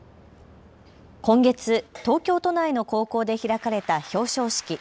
今月、東京都内の高校で開かれた表彰式。